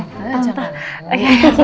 oke oke tante sebentar yuk yuk yuk